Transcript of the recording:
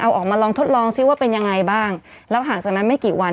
เอาออกมาลองทดลองซิว่าเป็นยังไงบ้างแล้วห่างจากนั้นไม่กี่วัน